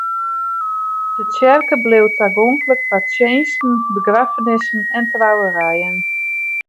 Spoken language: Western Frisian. De tsjerke bliuwt tagonklik foar tsjinsten, begraffenissen en trouwerijen.